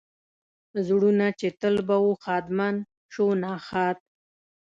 زړونه چې تل به و ښادمن شو ناښاد.